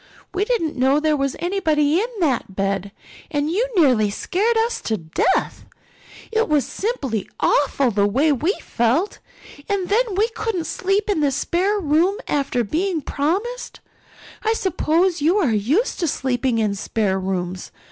We didn't know there was anybody in that bed and you nearly scared us to death. It was simply awful the way we felt. And then we couldn't sleep in the spare room after being promised. I suppose you are used to sleeping in spare rooms.